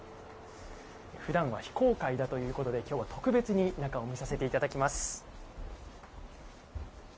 ふだんは非公開だということできょうは特別に中を見させていただきます。